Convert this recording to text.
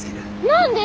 何で？